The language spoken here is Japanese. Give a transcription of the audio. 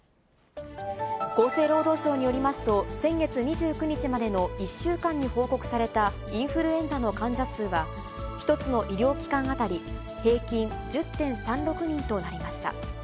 厚生労働省によりますと、先月２９日までの１週間に報告されたインフルエンザの患者数は、１つの医療機関当たり、平均１０．３６人となりました。